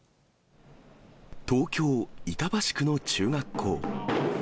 東京・板橋区の中学校。